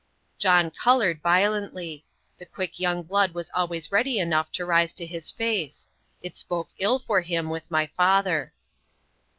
John coloured violently; the quick young blood was always ready enough to rise in his face. It spoke ill for him with my father.